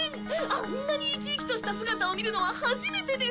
あんなに生き生きとした姿を見るのは初めてです！